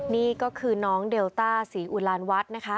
นี่ก็คือน้องเดลต้าศรีอุลานวัดนะคะ